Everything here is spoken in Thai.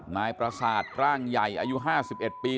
นายประสาทร่างใหญ่อายุ๕๑ปี